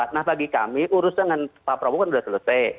nah bagi kami urusan dengan pak prabowo kan sudah selesai